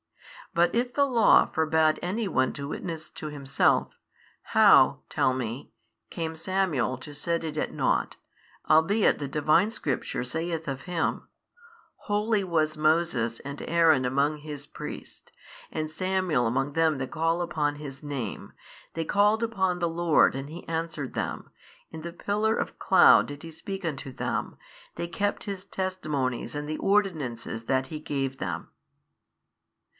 But if the Law forbad any one to witness to himself, how (tell me) came Samuel to set it at nought, albeit the Divine Scripture saith of him, Holy 14 was Moses and Aaron among His priests, and Samuel among them that call upon His name, they called upon the Lord and He answered them, in the pillar of the cloud did He speak unto them, they kept His testimonies and the ordinances that He gave them.